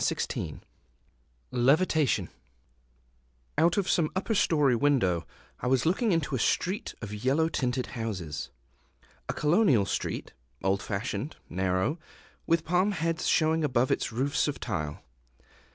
Levitation [Decoration] OUT of some upper story window I was looking into a street of yellow tinted houses, a colonial street, old fashioned, narrow, with palm heads showing above its roofs of tile.